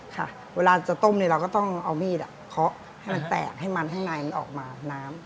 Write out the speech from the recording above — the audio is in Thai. ค่ะเวลาจะต้มเนี่ยเราก็ต้องเอามีดเคาะให้มันแตกให้มันข้างในมันออกมาน้ำ